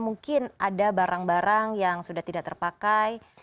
mungkin ada barang barang yang sudah tidak terpakai